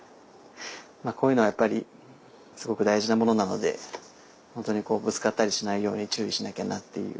こういうのはやっぱりすごく大事なものなのでホントにぶつかったりしないように注意しなきゃなっていう。